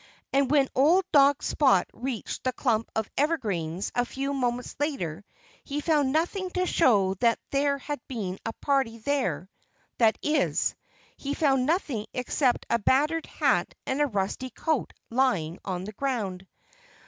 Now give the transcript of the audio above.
And when old dog Spot reached the clump of evergreens a few moments later he found nothing to show that there had been a party there that is, he found nothing except a battered hat and a rusty coat lying on the ground.